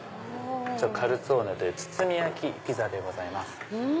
カルツォーネという包み焼きピザでございます。